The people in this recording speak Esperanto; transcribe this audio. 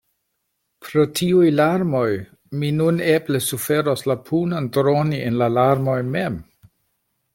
“Pro tiuj larmoj mi nun eble suferos la punon droni en la larmoj mem.